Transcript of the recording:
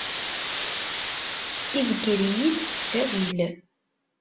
Idegger-iyi-d s ttawil.